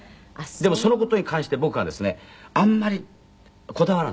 でもその事に関して僕はですねあんまりこだわらない。